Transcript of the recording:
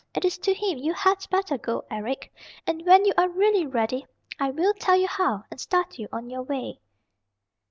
It is to him you had better go, Eric, and when you are really ready I will tell you how, and start you on your way."